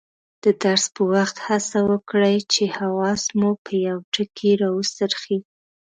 د درس په وخت هڅه وکړئ چې حواس مو په یوه ټکي راوڅرخي.